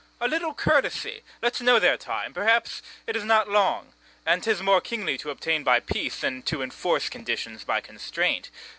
a little courtesy: Let's know their time; perhaps it is not long; And 'tis more kingly to obtain by peace Than to enforce conditions by constraint.